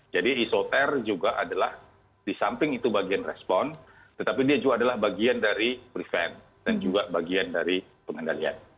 jadi isoter juga adalah di samping itu bagian respon tetapi dia juga adalah bagian dari prevent dan juga bagian dari pengendalian